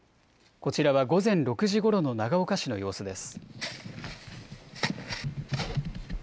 こちらは午前６時ごろの長岡市の様子です。